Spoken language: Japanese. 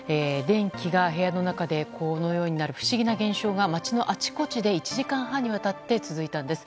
電気が部屋の中でこのようになる不思議な現象が街のあちこちで１時間半にわたって続いたんです。